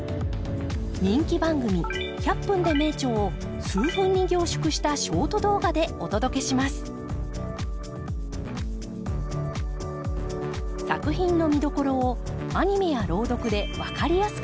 人気番組「１００分ｄｅ名著」を数分に凝縮したショート動画でお届けします作品の見どころをアニメや朗読で分かりやすくご紹介。